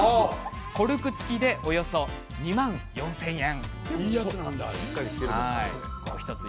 コルク付きでおよそ２万４０００円。